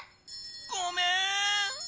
ごめん！